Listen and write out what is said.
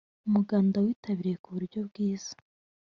umuganda witabiriwe ku buryo bwiza